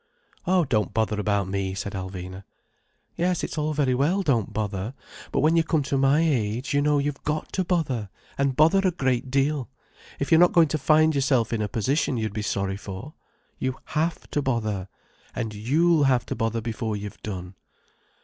"Oh, don't bother about me," said Alvina. "Yes, it's all very well, don't bother. But when you come to my age, you know you've got to bother, and bother a great deal, if you're not going to find yourself in a position you'd be sorry for. You have to bother. And you'll have to bother before you've done."